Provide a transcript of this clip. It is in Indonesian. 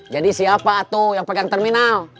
jadi siapa tuh yang pegang terminal